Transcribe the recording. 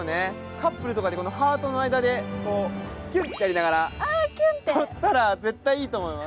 カップルとかでこのハートの間でキュンってやりながら撮ったら絶対いいと思います。